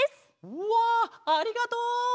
うわありがとう！